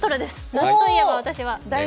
夏といえば私は。